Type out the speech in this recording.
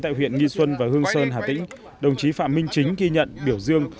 tại huyện nghi xuân và hương sơn hà tĩnh đồng chí phạm minh chính ghi nhận biểu dương